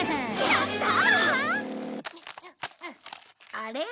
あれ？